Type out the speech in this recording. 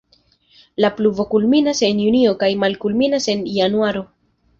La pluvo kulminas en junio kaj malkulminas en januaro.